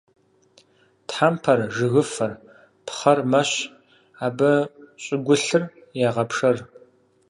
Тхьэмпэр, жыгыфэр, пхъэр мэщ, абы щӀыгулъыр ягъэпшэр.